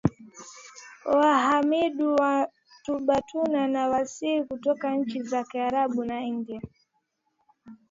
Wahamidu watumbatuna na waasia kutoka nchi za kiarabu na India